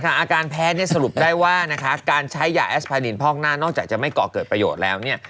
อาการแพ้เนี่ยสรุปได้ว่านะคะการใช้ยาแอสพานินพอกหน้านอกจากจะไม่ก่อเกิดประโยชน์แล้วเนี่ย